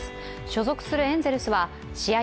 所属するエンゼルスは試合